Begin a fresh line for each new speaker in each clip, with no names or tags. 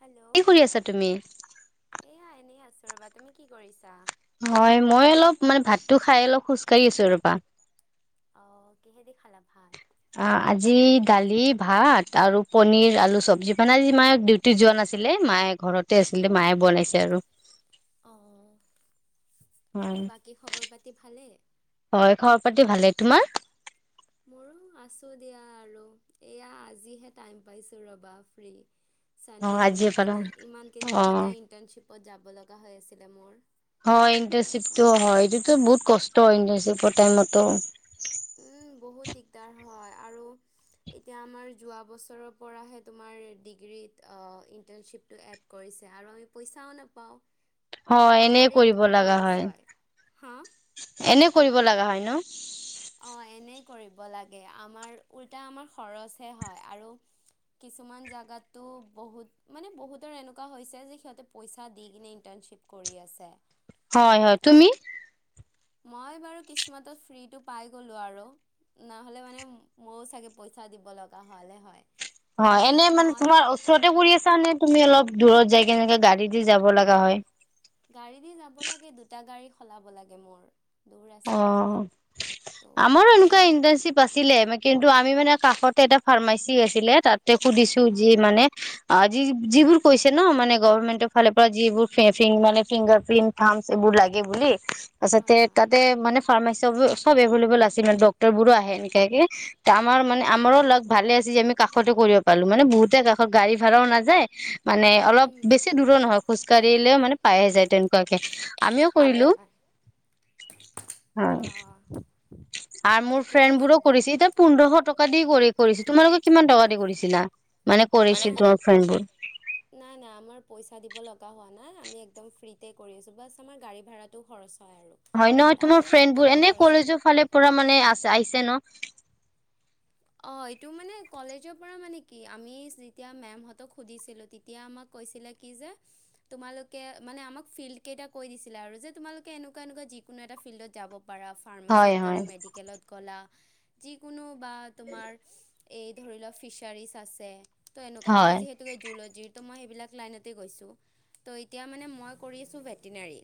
Hello
কি কৰি আছা তুমি
এয়া এনেই আছো ৰবা তুমি কি কৰিছা
হয় মই অলপ মানে ভাততো খাই অলপ খোজকাঢ়ি আছো ৰবা
অ কিহেদি খালা ভাত
অ আজি দালি ভাত আৰু পনিৰ আলু চব্জি পানাই আজি মায়ক দিওঁ দুইজন আছিলে মায়ে ঘৰতে আছিলে মায়ে বনাইছে আৰু
অ
হয়
বাকী খবৰ পাতি ভালেই
হয় খবৰ পাতি ভালে তোমাৰ
মোৰো আছোঁ দিয়া আৰু এয়া আজিহে টাইম পাইছোঁ ৰ'বা ফ্ৰী
অ
ছানডে'
আজিয়ে
বুলি
পালা
কিনে ইমান কেইদিন
অ
সদায় ইণ্টাৰ্ণশ্বিপত যাব লগা হৈ আছিলে মোৰ
হয়
ত'
ইণ্টাৰ্ণশ্বিপটো
সেইকাৰণে
হয় এইটোতো বহুত কষ্ট হয় ইণ্টাৰনশ্বিপৰ টাইমতো
উম বহুত দিগদাৰ হয় আৰু এতিয়া আমাৰ যোৱা বছৰৰ পৰাহে তোমাৰ দিগ্ৰীত আ ইটাৰশ্বিপটো এড কৰিছে আৰু আমি পইচাও নাপাওঁ অ
হয় এনে
আমাৰ
কৰিব
উল্টা
লগা
খৰচ
হয়
হয। হা?
এনে কৰিব লগা হয় ন?
অঁ এনেই কৰিব লাগে আমাৰ উলটা আমাৰ খৰচহে হয়, আৰু কিছুমান জেগাতো বহুত মানে বহুতৰ এনেকুৱা হৈছে যে সিহঁতে পইচা দি কিনে ইণ্টাৰ্ণশ্বিপ কৰি আছে।
হয় হয়, তুমি?
মই বাৰু কিছমাতত ফ্ৰীটো পাই গ'লোঁ আৰু। নহ'লে মানে মইও চাগে পইচা দিব লগা হলে হয়।
অ'
তাৰমানে
এনে মানে
মই
তোমাৰ ওচৰতে কৰি আছা নে তুমি অলপ দূৰত যাই কে এনেকে গাড়ী দি যাব লগা হয়?
গাড়ী দি যাব লাগে, দুটা গাড়ী সলাব লাগে মোৰ। দূৰ আছে অলপমান
অ',
ত' ভালেখিনি
বাছিলে কিন্তু আমি মানে কাষতে এটা ফাৰ্মাচি আছিলে তাতে সুধিছো যি
অ',
মানে অ যি যিবোৰ কৈছে ন মানে গভৰ্মেণ্টৰ ফালৰ পৰা যিবোৰ মানে ফিংগাৰ প্ৰিণ্ট থামচ এইবোৰ লাগে বুলি।
হয় হয়
তাতে মানে ফাৰ্মাচী চব এভেইলেবল আছিল মানে ডক্তৰ বোৰো আহে এনেকাকে ত' আমাৰ মানে আমাৰো লাক ভালে আছে যে আমি কাষতে কৰিব পালো, মানে বহুতে কাষত গাড়ী ভাড়াও নাযায়, মানে অলপ
উম
বেছি দূৰো নহয় খোজকাঢ়িলেও মানে পাইহে যায় তেনেকুৱাকে আমিও কৰিলো। হয়।
অ'।
আৰু মোৰ ফ্ৰেণ্ড বোৰো কৰিছে তাত পোন্ধৰশ টকা দি কৰি কৰিছে। তোমালোকে কিমান টকা দি কৰিছিলা?
মানে
কৰিছিল তোমাৰ ফ্ৰেণ্ড বোৰ
নাই নাই আমাৰ পইচা দিব লগা হোৱা নাই, আমি একদম ফ্ৰীতে কৰি আছোঁ বাচ আমাৰ গাড়ী ভাড়াটো খৰচ হয় আৰু।
হয় ন
তাৰ
তোমাৰ
বাহিৰে এক
ফ্ৰেণ্ড বোৰ
টকাও
এনে
খৰচ নাই
কলেজৰ ফালে পৰা মানে আছে আহিছে ন?
অঁ এইটো মানে কলেজৰ পৰা মানে কি আমি যেতিয়া মেমহঁতক সুধিছিলো তে তিয়া আমাক কৈছিলে কি যে তোমালোকে মানে আমাক ফিল্ড কেইটা কৈ দিছিলে আৰু যে তোমালোকে এনেকুৱা এনেকুৱা যিকোনো এটা ফিল্ডত যাব পাৰা। ফাৰ্মাচীত
হয় হয়
গ'লা মেডিকেলত গ'লা যিকোনো বা তোমাৰ এই ধৰি লোৱা ফিচাৰিজ আছে ত' এনেকুৱা। মই
হয়
যিহে তু জুলজিৰ ত' মই সেইবিলাক লাইনতেই গৈছোঁ। ত' এতিয়া মানে মই কৰি আছোঁ ভেটিনেৰি।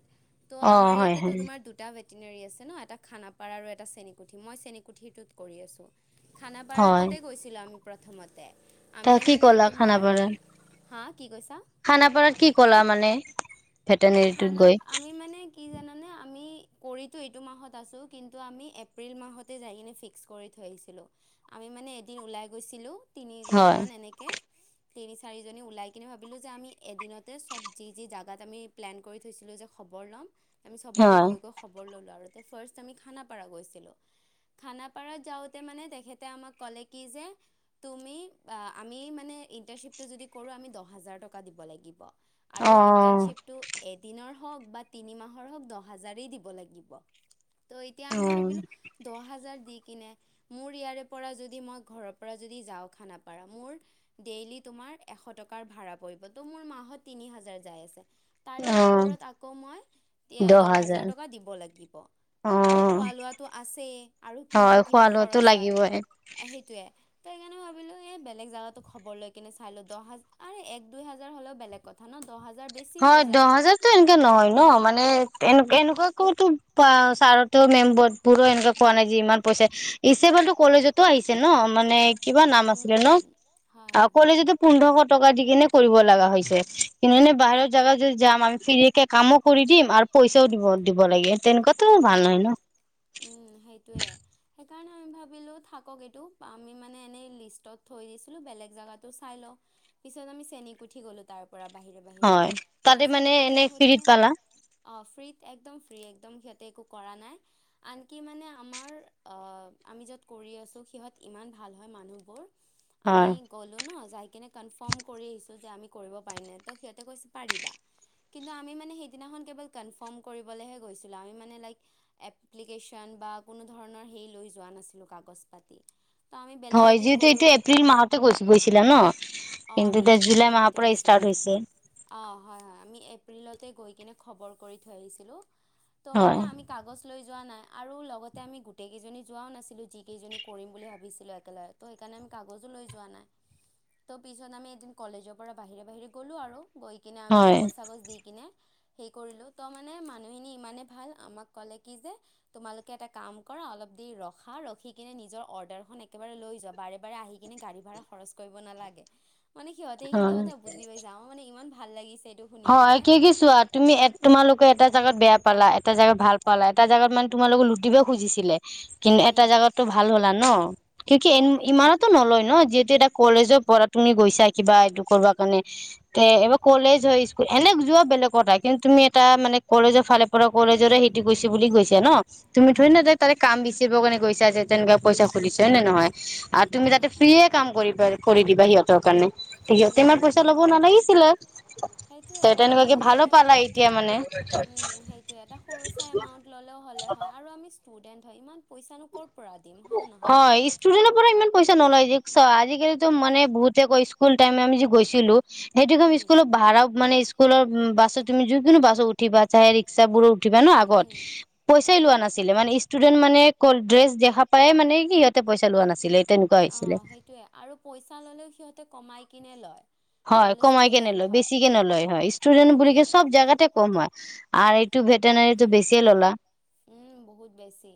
ত'
অ
আমাৰ
হয়
ইয়াতেটো
হয়
তোমাৰ দু টা ভেটিনেৰি আছে ন, এটা খানাপাৰা আৰু এটা চেনীকুঠি মই চেনীকুঠিটোত কৰি আছোঁ।
হয়
খানাপাৰাটোতে গৈছিলোঁ আমি প্ৰথমতে
ত
আমি
কি
মানে
ক'লা
তোমাৰ
খানাপাৰাত
হাঁ কি কৈছা?
খানাপাৰাত কি ক'লা মানে? ভেটেনেৰীটোত
খানা
গৈ
আমি মানে কি জানানে আমি কৰিতো এইটো মাহত আছো কিন্তু, আমি এপ্ৰিল মাহতে যায় কিনে ফিক্স কৰি থৈ আহিছিলো। আমি মানে এদিন ওলাই গৈছিলোঁ তিনিজনি
হয়
মান এনে কে তিনি চাৰিজনী ওলাই কিনে ভাবিলোঁ যে আমি এদিনতে চব যি যি জাগাত আমি প্লেন কৰি থৈছিলোঁ যে খবৰ ল'ম আমি চবতে
হয়
গৈ গৈ খবৰ ল'লোঁ আৰু তে ফাৰ্ষ্ট আমি খানাপাৰা গৈছিলোঁ খানাপাৰত যাওঁতে মানে তেখেতে আমাক ক'লে কি যে তুমি আমি মানে ইণ্টাৰ্ণশ্বিপটো যদি কৰোঁ আমি দহ হাজাৰ টকা দিব লাগিব।
অ
আৰু ইণ্টাৰ্ণশ্বিপটো এদিনৰ হওঁক বা তিনি মাহৰ হওক দহ হাজাৰেই দিব লাগিব। ত' এতিয়া
অ
আমি ভাবিলোঁ দহ হাজাৰ দি কিনে মোৰ ইয়াৰে পৰা যদি মই ঘৰৰ পৰা যদি যাওঁ খানাপাৰা মোৰ ডেইলি তোমাৰ এশ টকাৰ ভাড়া পৰিব ত' মোৰ মাহত তিনি হাজাৰ যাই আছে তাৰে
অ
ওপৰত আকৌ মই এ দহ হাজাৰ টকা দিব লাগিব।
অ
আৰু খোৱা লোৱাতো আছেই আৰু
হয়
কিমান
খোৱা
কিবা
লোৱাটো
খৰচ হয়
লাগিবই
সেইটোৱে ত সেইকাৰণে ভাবিলো এই বেলেগ জাগাতো খবৰ লৈ কেনে চাই লও দহ হাজাৰ এক দুই হাজাৰ হলেও বেলেগ কথা ন দহ হাজাৰ বেচি
হয়
হৈ
দহ
যায়
হাজাৰতো এনেকা নহয় ন মানে এনে এনেকোৱাতো আ ছাৰহতেও মেম্বৰত বোৰো এনেকা কোৱা নাই যে ইমান পইচা ইচেবলতো কলেজতো আহিছে ন মানে কিবা নাম
উম
আছিলে ন
উম হয়
আৰু
হয়
কলেজতো পোন্ধৰশ টকা দি কেনে কৰিব লগা হৈছে, কিন্তু এনে বাহিৰত যোৱা যদি যাম আৰু ফ্ৰীকে কামো কৰি দিম আৰু পইচাও দিব দিব লাগে তেনেকোৱাতো হোৱা নাই ন
উম সেইটোৱে সেইকাৰণে আমি ভাবিলোঁ থাকক এইটো, আমি মানে এনেই লিষ্টত থৈ দিছিলো বেলেগ জেগাটো চাই লও। পিছত আমি চেনীকুঠি গলো তাৰ পৰা বাহিৰে বাহিৰে,
হয়
তাপা
তাতে মানে
চেনীকুঠি
এনে
আহোতে
ফ্ৰীত পালা
অ ফ্ৰীত একদম ফ্ৰী একদম সিহঁতে একো কৰা নাই আনকি মানে আমাৰ আমি অ য'ত কৰি আছো সিহঁত ইমান ভাল হয় মানুহবোৰ আমি
হয়
ক'লো ন যাই কিনে কনফাৰ্ম কৰি আহিছো যে আমি কৰিব পাৰিম নে ত সিহঁতে কৈছে পাৰিবা। কিন্তু আমি মানে সেইদিনাখন কেৱল কনফাৰ্ম কৰিবলৈহে গৈছিলো আমি মানে লাইক এক এপ্লিকেশ্যন বা কোনো ধৰণৰ সেই লৈ যোৱা নাছিলো কাগজ পাতি তো আমি বেলেগ
হয়
এদিন
যিহেতু
গ'লোঁ
এইটো এপ্ৰিল মাহতে গৈ গৈছিলা ন।
অঁ
কিন্তু
আমি
এতিয়া জুলাই মাহৰ পৰাই ষ্টাৰ্ট হৈছে।
অ হয় হয় আমি এপ্ৰিলতে গৈ কিনে খবৰ কৰি থৈ আহিছিলো ত
হয়
মানে আমি কাগজ লৈ যোৱা নাই আৰু লগতে আমি গোটেই কেইজনী যোৱাও নাছিলো যিকেইজনী কৰিম বুলি ভাবিছিলো একেলগে। ত সেইকাৰণে আমি কাগজো লৈ যোৱা নাই। ত' পিছত আমি এদিন কলেজৰ পৰা বাহিৰে বাহিৰে গ'লো আৰু গৈ কিনে আমি
হয়
কাগজ চাগজ দি কিনে সেই কৰিলো ত' মানে মানুহখিনি ইমানেই ভাল আমাক ক'লে কি যে তোমালোকে এটা কাম কৰা অলপ দেৰি ৰখা, ৰখি কিনে নিজৰ অৰ্ডাৰখন একেবাৰে লৈ যোৱা বাৰে বাৰে আহি এনে গাড়ী ভাড়া খৰচ কৰিব নালাগে মানে সিহঁতে এইখিনি
হয়
কথা বুজি পাইছে, আমাৰ মানে ইমান ভাল লাগিছে এইটো শুনি
হয়
কিনে
কি কি চোৱাত তুমি এ তোমালোকে এটা জেগাত বেয়া পালা এটা জেগাত ভাল পালা এটা জেগাত মানে তোমালোকক লুটিব খুজিছিলে কিন্তু এটা
উম
জাগাতটো ভাল হ'লা ন কিয়োকি
অ
ইমানতো
সেইটোৱে
নলয় ন যিহেতু এটা কলেজৰ পঢ়া তুমি গৈছা কিবা এইটো কৰিবা কাৰণে এ এইবাৰ কলেজ হয় এনে যোৱা বেলেগ কথা, কিন্তু তুমি এটা মানে কলেজৰ ফালে পৰা কলেজৰে
উম,
সেটো গৈছে বুলি কৈছে ন। তুমিতো
হয়
এনে
হয়।
ডাইৰেক্ট তাৰে কাম বিচাৰিব কাৰণে গৈছা যে তেনেকোৱ পইচা সুধিছে হয় নে নহয় আৰু তুমি তাতে
হয় হয়,
ফ্ৰীয়ে কাম কৰি কৰি দিবা সিহঁতৰ কাৰণে সিহঁতে ইমান
উম,
পইচা ল'ব নালাগিছিলে
সেইটোয়ে
ত
এটা
তেনেকুৱাকে
সৰু
ভালো
চাই
পালা এতিয়া মানে
উম সেই ত এটা সৰু চাই এমাউণ্ট ললেও হ'লে হয় আৰু আমি ষ্টুডেণ্ট হয় ইমান পইচা নো ক'ৰ পৰা দিম হয় নে নহয়?
হয় ষ্টুডেন্টৰ পৰা ইমান পইচা নলয় ৰিক্স হয় আজিকালিতো মানে বহুত স্কুল টাইম আমি যে গৈছিলো সেইটো
উম।
স্কুলত ভাৰাও মানে স্কু স্কুলৰ বাছত তুমি যিকোনো বাছত উঠিবা, চাহে ৰিক্সাবোৰো উঠিবা ন
উম,
আগত।
উম,
পইচাই লোৱা নাছিলে মানে ষ্টুডেন্ট মানে ক ড্ৰেচ দেখা পাইয়ে মানে কি সিহঁতে পইচা লোৱা নাছিলে তেনেকুৱা হৈছিলে
অ', সেইটোৱে আৰু পইচা ললেও সিহঁতে কমাই কিনে লয়। যে
হয়
বোলে
কমাই কেনে
ষ্টুডেন্ট
লয়
হয়
বেছিকে নলয় হয় ষ্টুডেণ্ট বুলি
সেইটোৱে।
চব জাগাতে কম হয় আৰু এইটো ভেটেনাৰীটো বেছিয়ে ল'লা
উম বহুত বেছি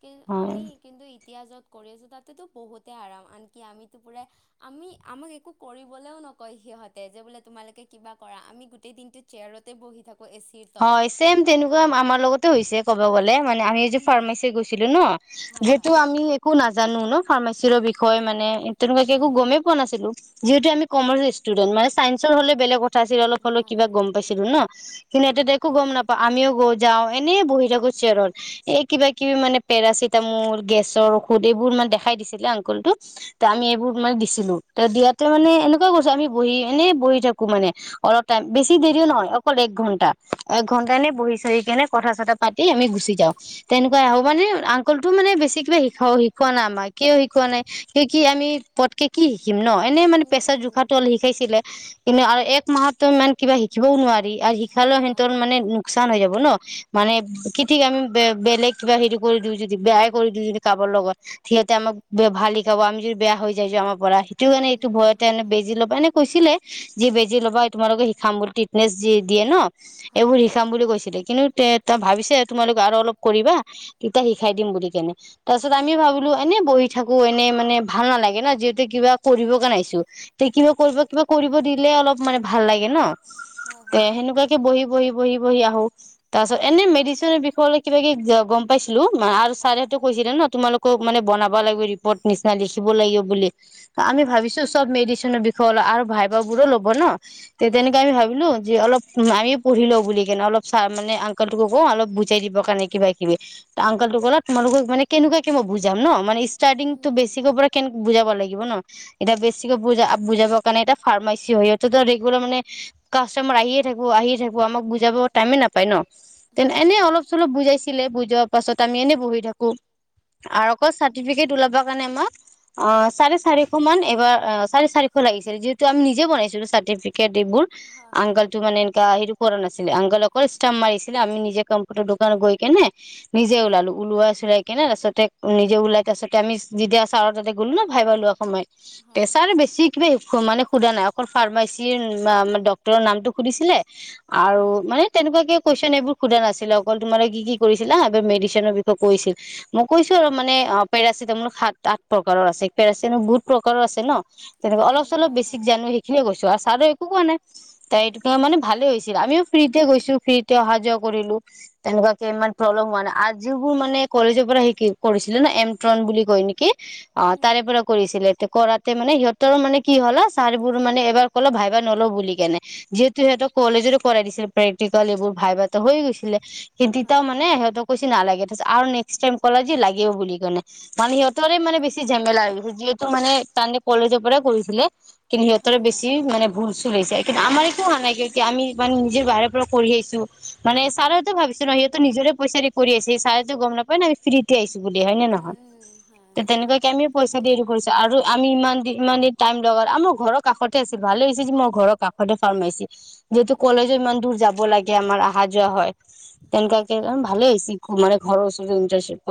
কি
হয়
আমি কিন্তু এতিয়া য'ত কৰি আছোঁ তাতেতো বহুতেই আৰাম আনকি আমিতো পুৰা আমি আমাক একো কৰিবলৈও নকয় সিহঁতে যে বোলে তোমালোকে কিবা কৰা আমি গোটেই দিনটো চেয়াৰতে বহি থাকো এ চি ত
হয় ছেম তেনেকুৱা আমাৰ লগতে হৈছে ক'ব গ'লে মানে আমি যে
উম,
ফাৰ্মাচী গৈছিলো ন
হয়,
যিহেতু
হয়,
আমি একো নাজানো ন ফাৰ্মাচীৰ বিষয়ে মানে তেনেকুৱাকে একো
হয়, হয়।
গমেই পোৱা নাছিলোঁ যিহেতু আমি কমাৰ্চ ষ্টুডেন মানে চাইন্ঞ্চৰ হলে বেলেগ কথা আছিল অলপ হলেও
হয়,
কিবা
হয়।
গম পাইছি ছিলো ন কিন্তু এতিয়া একো গম নাপাওঁ আমিও যাওঁ এনেই বহি থাকোঁ চেয়াৰত এই কিবা কিবি মানে পেৰাচিটামল গেছৰ ঔষধ এইবোৰ
হয়,
মানে
হয়।
দেখাই দিছিলে আংকলটো যে আমি এইবোৰ মানে দিছিলো ত দিয়াতে মানে এনেকুৱা কৈছো আমি বহি এনেই বহি থাকো মানে অলপ টাইম বেছি দেৰিও নহয় অকল এক ঘণ্ট ঘন্টাএকঘণ্টাই নে বহি চহি কেনে কথা চথা পাতি আমি গুচি যাওঁ তেনেকুৱাই আৰু মানে আংকলটো মানে বেছি কিবা শিকা শিকোৱা নাই আমাক, কিয় শিকোৱা নাই কি কি আমি পতকে কি শিকিম ন এনেই মানে
উম,
প্ৰেছাৰ
উম।
জোখাতো অলপ শিকাইছিলে কিন্তু আৰু এক মাহতো ইমান কিবা শিকিবও নোৱাৰি আৰু শিকালোঁ
হয়,
হেতৰ মানে
হয়।
নোকচান হৈ যাব ন, মানে কি ঠিক আমি বেলেগ কিবা হেৰি কৰি দিওঁ যদি বেয়াই কৰি দিওঁ যদি কাবাৰ লগত সিহঁতে আমাক ব ভাল শিকাব আমি যদি বেয়া হৈ যাইছো আমাৰ পৰা সেইটো কাৰণে এইটো
উম,
ভয়তে
হয়,
এনে
হয়,
বেজি ল'ব এনে কৈছিলে যি বেজি ল'বাই তোমালোকে, শিক্ষাম মূটিত নে যি দিয়ে ন
হয়,
এইবোৰ
হয়।
শিকাম বুলি কৈছিলে কিন্তু তে তই ভাবিছে তোমালোক আৰু অলপ কৰিবা তেতিয়া শিকাই দিম বুলি কেনে তাৰ পিছত আমি
উম।
ভাবিলো এনে বহি থাকো এনেই মানে ভাল নালাগে ন যিহেতু কিবা কৰিব কাৰণে আহিছো সেইখিনিও কৰিব কিবা কৰিব দিলে অলপ মানে ভাল লাগে ন।
হয়,
তে
হয়,
সেনেকুৱাকে বহি বহি বহি বহি আহো তাৰ পাছত এনে মেডিচিনৰ বিষয় লৈ কিবা কি গম পাইছিলোঁ ম আৰু ছাৰেটো কৈছিলে ন তোমালোক কও মানে বনাব লাগিব ৰিপৰ্ট নিচিনা লিখিব লাগিব বুলি আমি
হয়, হয়।
ভাবিছো চব মেডিচিনৰ বিষয়ে লয় আৰু ভাইবা বোৰো ল'ব ন তে
হয়,
তেনেকে
হয়।
আমি ভাবিলোঁ যে অলপ আমিও পঢ়ি লওঁ বুলি কিনে অলপ চা মানে আংকলটোকো কওঁ অলপ বুজাই দিবৰ কাৰণে কিবা কিবি আংকলটো কলা তোমোক মানে কেনেকুৱাকে মই বুজাম ন মানে ষ্টাৰ্টিং টো
উম,
বেছিকৈ পৰা কে বুজাব লাগিব ন এতিয়া বেছিকৈ বুজা বুজাবৰ কাৰণে এটা ফাৰ্মাচী হয়টো ৰেগুলাৰ মানে কাষ্টমাৰ আহিয়েই থাকো আহিয়েই থাকো আমাক বুজাব টাইমে নাপায় ন তে
হয়,
এনেই
হয়।
অলপ চলপ বুজাইছিলে বুজোৱাৰ পাছত আমি এনে বহি থাকো আৰু আকৌ চাৰ্টিফিকেট ওলাব কাৰণে আমাক অহ চাৰে চাৰিশ মান এইবাৰ অহ চাৰে চাৰিশ লাগিছিল যিহেতু আমি নিজে বনাইছিলোঁ চাৰ্টিফে কেটিবোৰ।
হয়, হয়।
আংকল টো মানে এনে হেৰি কৰা নাছিলে আংকল অকল ষ্টাম্প মাৰিছিলে আমি নিজে কম্পিউটাৰ দোকানত গৈ কেনে নিজে
হয়,
ওলালো ওলোৱাই চিলাই কিনে তাৰপিছতে নিজে ওলাই তাৰপিছতে আমি যেতিয়া ছাৰ তাতে গ'লো ন ভাইবাৰ লোৱা সময়
হয়।
প্ৰেছাৰ বেছি কিবা মানে সোধা নাই অকল ফাৰ্মাচীৰ ডক্টৰৰ নামটো সুধিছিলে আৰু
হয়।
মানে তেনেকুৱা কে কুৱেশ্যচন এইবোৰ সোধা নাছিলে অকল তোমালোক কি কি কৰিছি মেডিচনৰ বিষয়ে কৈছিল মই কৈছো আৰু মানে অহ পেৰাচিটামল সাত আঠ প্ৰকাৰৰ আছে পেৰাচিম বহুত প্ৰকাৰৰ আছে ন
উম,
তেনেকুৱা
উম,
অলপ-চলপ
হয়, হয়।
বেছিক জানো সেইখিনিয়ে কৈছো আৱ ছাৰে একো কোৱা নাই তাই এইতুটো মানে
উম,
ভালে হৈছিল আমিও ফ্ৰীতে গৈছো, ফ্ৰীতে অহা যোৱা কৰিলো তেনেকুৱাকে ইমান প্ৰব্লেম হোৱা নাই আ যিবোৰ মানে কলেজৰ পৰা শি কৰিছিলে ন এমট্ৰন বুলি কয় নেকি অ
হুম।
তাৰে পৰা কৰিছিলে, কৰাতে মানে সিহঁতৰো মানে কি হল ছাৰবোৰ মানে এবাৰ কলে ভাইবা নলও বুলি কেনে যিহেতু সিহঁতক কলেজৰে কৰাই দিছে, প্ৰেক্টিকেল এইবোৰ ভাই ভা টো হৈ গৈছিলে কিন্তুতিতাও
হয়।
মানে সিহঁতক কৈছে নালাগে তাৰছত আৰু নেক্সটাইম কলে যে লাগিব বুলি কেনে মানে সিহঁতৰে মানে বেছি ঝেমেলা হৈ গৈছে যিহেতু মানে তাসতি কলেজৰ পৰাই কৰিছিলে কিন্তু সিহঁতেৰে
হয়,
বেছি
হয়।
মানে ভুল-চুল হৈছে কিন্তু আমাৰ একো হোৱা নাই কিয়কি আমি মানে নিজৰ বাহিৰৰ পৰা কৰি আহিছোঁ মানে ছাৰহতে ভাবিছে ন সিহঁতৰ নিজৰে পইচা দি কৰি আছে চাৰেটো গম নাপায় ন ফ্ৰীতে আহিছো বুলি হয় নে
উম,
নহয়
উম, হয়,
ত
হয়।
তেনেকুৱাকে আমি পইচা দেৰি কৰিছে আৰু আমি ইমান দি ইমান দিন টাইম লগা আৰু আমাৰ ঘৰৰ কাষতে আছিল ভালেহৈছ আজি মোৰ ঘৰৰ কাষতে ফাৰ্ম মাৰিছে যিহেতু কলেজো
উম।
ইমান দূৰ যাব লাগে আমাৰ আহা-যোৱা হয়
হয়
তেনেকুৱাকে
হয়।
ভালে হৈছে আমাৰে ঘৰৰ ওচৰতে ইটাৰিপ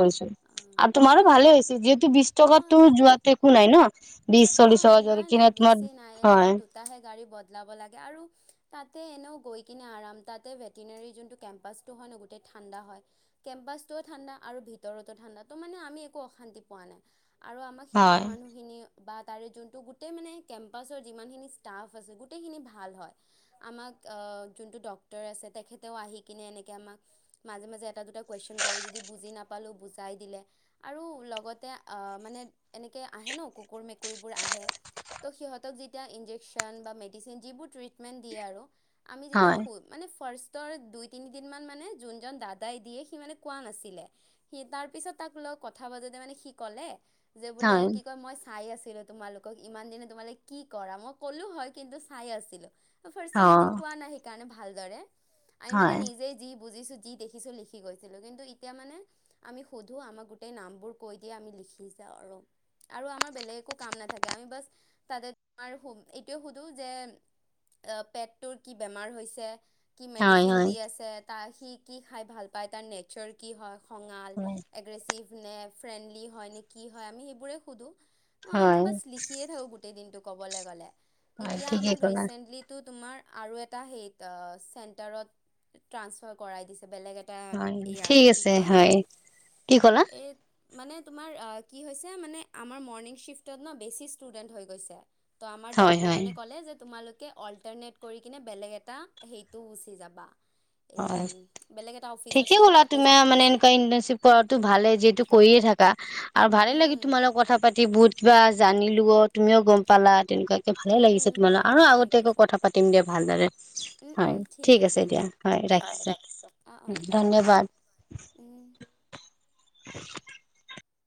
অ
কৰিছিলো আৰু তোমাৰো
নাই
ভালে হৈছে যিহেতু বিশ
অ
টকাতো যোৱাতে একো নাই ন বিশ, চল্লিশ
অ', নাই
ধৰি
নাই
কিনে
বেছি
তোমাৰ
নাই এনেও
হয়
দুটাহে গাড়ী বদলাব লাগে আৰু তাতে এনেও গৈ কিনে আৰাম তাতে ভেটিনেৰী যোনটো কেম্পাছ টো হয় ন গোটেই ঠাণ্ডা হয় কেম্পাছটোও ঠাণ্ডা আৰু ভিতৰতো ঠাণ্ডা ত' মানে আমি একো অশান্তি পোৱা নাই আৰু আমাক শিকোৱা
হয়
মানুহখিনি বা তাৰে যোনটো গোটেই মানে কেম্পাছৰ যিমানখিনি ষ্টাফ আছে গোটেইখিনি ভাল হয় আমাক অ যোনটো ডক্তৰ আছে তেখেতেও আহি কিনে এনেকে আমাক মাজে-মাজে এটা-দুটা কুৱেশ্যন কৰে যদি বুজি নাপালোঁ বুজাই দিলে আৰু লগতে অ মানে এনেকে আহে ন কু কুৰ, মেকুৰীবোৰ আহে ত' সিহঁতক যে তিয়া ইনজেকশ্যন বা মেডিচিন যিবোৰ ট্ৰিটমেণ্ট দিয়ে আৰু আমি যেতিয়া শু মানে ফাৰ্ষ্টৰ দুই, তিনিদিনমান মানে যোনজন দাদাই দিয়ে সি মানে কোৱা নাছিলে সি তাৰ পিছত তাক লগ কথা পাতোতে মানে সি ক'লে যে বোলে
হয়
কি কয় মই চাই আহিলোঁ তোমালোকক ইমান দিনে তোমালোক কি কৰা মই ক'লো হয় কিন্তু চাই আছিলোঁ
হয় অ
ফাষ্ট কেইদিন কোৱা নাই সেইকাৰণে ভালদৰে আমি মানে
হয়
নিজেই যি বুজিছো, যি দেখিছো লিখি গৈছিলো কিন্তু এতিয়া মানে আমি সুধো আমাৰ গোটেই নামবোৰ কৈ দিয়ে আমি লিখি যাওঁ আৰু, আৰু আমাৰ বেলেগ একো কাম নাথাকে আমি বাছ তাতে তোমাৰ এইটোয়ে সুধো যে অ পেটটোৰ কি বেমাৰ হৈছে কি
হয়
মেডিচিন দি
হয়
আছে, তা সি কি খাই ভাল পায়, তাৰ নেচাৰ কি হয় খঙাল, ৰেছিভ নে, ফ্ৰেণ্ডলি হয় নে কি হয়, আমি সেইবোৰে সুধো আমি
হয়
বাছ লিখিয়ে থাকোঁ গোটেই দিনটো কবলে গলে
হয়
এতিয়া
ঠিকেই
আমাক
ক'লা
ৰীচেণ্টলী টো তোমাৰ আৰু এটা হেৰী চেণ্টাৰত ট্ৰানপাৰ কৰাই দিছে বেলেগে এ এটা
হয়
ইয়াত
ঠিক
কি
আছে
কয়
হয় কি ক'লা
এইত মানে তোমাৰ কি হৈছে মানে আমাৰ মৰ্ণিং শ্বিফ্টত ন বেছি ষ্টুডেণ্ট হৈ গৈছে ত' আমাৰ
হয় হয়
ডক্তৰজনে ক'লে যে তোমালোকে অল্টাৰনেট কৰি কিনে বেলেগ এটা সেইটো গুচি যাবা এই
হয়
বেলেগ এটা অফিচ
ঠিকে
আছে
ক'লা
তাতে
তুমি
যাব
মানে
গৈছে
এনেকুৱা ইণ্টাৰ্ণশ্বিপ কৰাটো ভালে যিহেতু কৰিয়ে থাকা আৰু ভালে লাগি
উম,
তোমাৰ লগত কথা পাতি বহুত কিবা জানিলো অ তুমিও গম পালা তেনেকুৱা তে ভালে
উম, উম,
লাগিছে তোমালোক।
হয়,
আৰু
হয়, ঠিকেই
আগতীয়াকৈ
কৈছা।
কথা পাতিম দিয়া, ভালদৰে। হয়, ঠিক আছে দিয়া। হয়
অ',
ৰাখিছোঁ,
অ', অ', দিয়া
ধন্যবাদ।
উম।